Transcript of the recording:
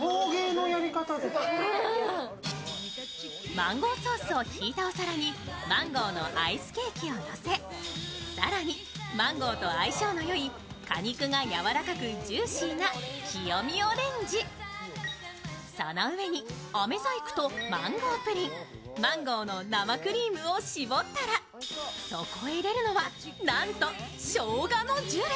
マンゴーソースを引いたお皿にマンゴーのアイスケーキをのせ、更にマンゴーと相性のよい果肉がやわらかくジューシーな清見オレンジその上に、あめ細工とマンゴープリン、マンゴーの生クリームを絞ったらそこへ入れるのは、なんと、しょうがのジュレ。